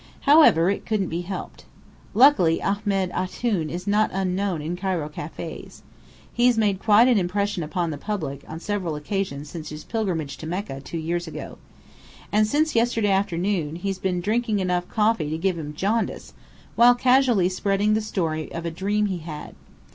However, it couldn't be helped. Luckily Ahmed Antoun is not unknown in Cairo cafés. He's made quite an impression upon the public on several occasions since his pilgrimage to Mecca, two years ago. And since yesterday afternoon, he's been drinking enough coffee to give him jaundice, while casually spreading the story of a dream he had.